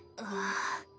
あぁ。